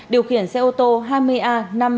điều khiển xe ô tô hai mươi a năm bốn mươi ba chín mươi tám